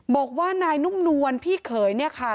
บอกว่านายนุ่มนวลพี่เขยเนี่ยค่ะ